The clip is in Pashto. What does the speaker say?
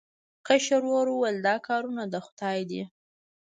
کشر ورور وویل دا کارونه د خدای دي.